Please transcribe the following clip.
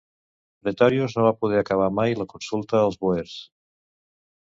Pretorius no va poder acabar mai la consulta als bòers.